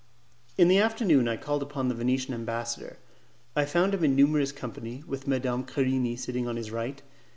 In the afternoon I called upon the Venetian ambassador. I found him in numerous company, with Madame Querini sitting on his right.